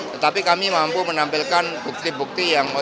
tetapi kami mampu menampilkan bukti bukti yang